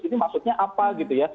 ini maksudnya apa gitu ya